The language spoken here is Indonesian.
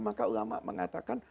maka ulama mengatakan